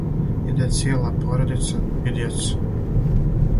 "Иде цијела породица, и дјеца."